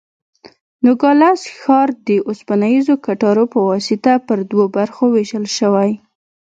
نوګالس ښار د اوسپنیزو کټارو په واسطه پر دوو برخو وېشل شوی.